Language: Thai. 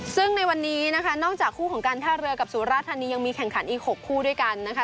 ซึ่งในวันนี้นะคะนอกจากคู่ของการท่าเรือกับสุราธานียังมีแข่งขันอีก๖คู่ด้วยกันนะคะ